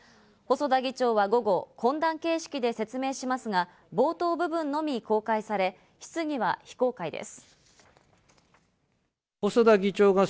細田議長は午後、懇談形式で説明しますが、冒頭部分のみ公開され、質疑は非公開です。